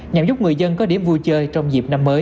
nhằm giúp người dân có điểm vui chơi trong dịp năm mới